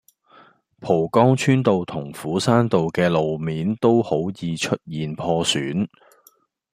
蒲崗村道同斧山道嘅路面都好易出現破損